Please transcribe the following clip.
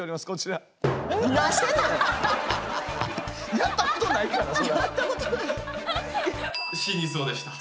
やったことないからそら。